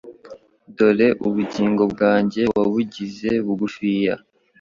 Dore ubugingo bwanjye wabugize bugufiya